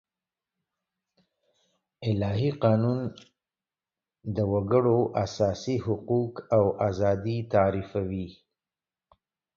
الهي قانون د وګړو اساسي حقوق او آزادي تعريفوي.